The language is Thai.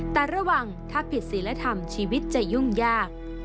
แต่ระวังถ้าผิดศิลธรรมชีวิตจะยุ่งยาก